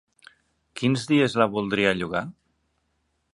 Quins dies la voldria llogar?